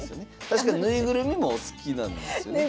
確か縫いぐるみもお好きなんですよね？